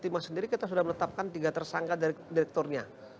timah sendiri kita sudah menetapkan tiga tersangka dari direkturnya